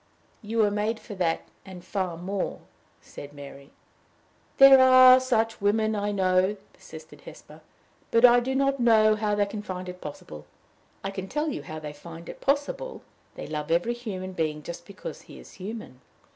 "You were made for that, and far more," said Mary. "There are such women, I know," persisted Hesper; "but I do not know how they find it possible." "I can tell you how they find it possible. They love every human being just because he is human.